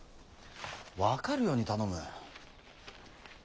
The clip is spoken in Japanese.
分かるように頼む。